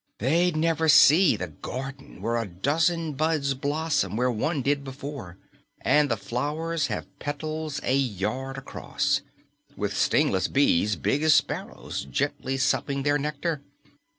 "They'd never see the garden where a dozen buds blossom where one did before, and the flowers have petals a yard across, with stingless bees big as sparrows gently supping their nectar.